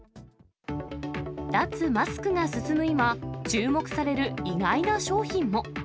脱マスクが進む今、注目される意外な商品も。